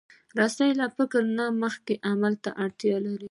رسۍ له فکر نه مخکې عمل ته اړتیا لري.